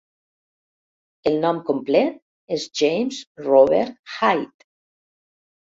El nom complet és James Robert Hyde.